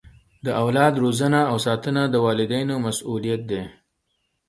د اولاد روزنه او ساتنه د والدینو مسؤلیت دی.